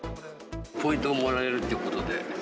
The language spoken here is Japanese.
ポイントがもらえるっていうことで。